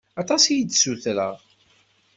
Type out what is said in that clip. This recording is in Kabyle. Aṭas i d-ssutreɣ?